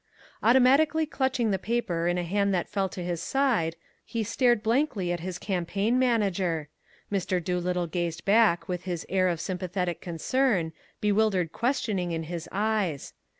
Automatically clutching the paper in a hand that fell to his side, he stared blankly at his campaign manager. Mr. Doolittle gazed back with his air of sympathetic concern, bewildered questioning in his eyes.